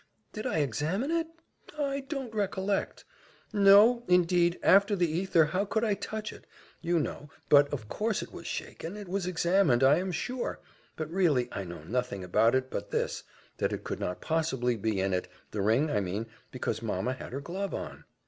"Did I examine it? I don't recollect. No, indeed, after the aether, how could I touch it? you know: but of course it was shaken, it was examined, I am sure; but really I know nothing about it but this, that it could not possibly be in it, the ring, I mean, because mamma had her glove on."